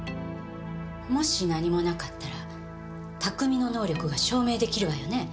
もし何もなかったら拓海の能力が証明出来るわよね。